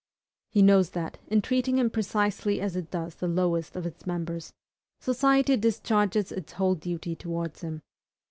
He knows that, in treating him precisely as it does the lowest of its members, society discharges its whole duty towards him.